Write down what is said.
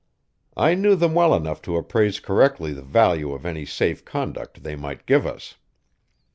I knew them well enough to appraise correctly the value of any safe conduct they might give us.